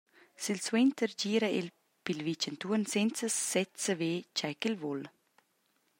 Silsuenter gira el pil vitg entuorn senza sez saver tgei ch’el vul.